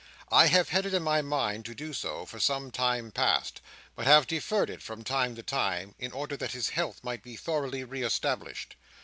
I have had it in my mind to do so for some time past; but have deferred it from time to time, in order that his health might be thoroughly re established.